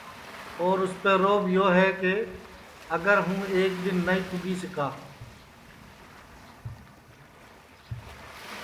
اور اُسپے روب یو ہے کہ اگر ہوں ایک دؔن نائی پونچی سِکا